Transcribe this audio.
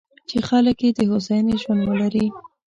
چې خلک یې د هوساینې ژوند ولري.